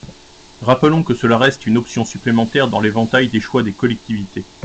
Rappelons que cela reste une option supplémentaire dans l’éventail des choix des collectivités.